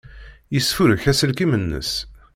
Yesfurek aselkim-nnes.